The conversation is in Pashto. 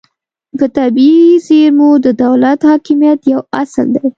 په طبیعي زیرمو د دولت حاکمیت یو اصل دی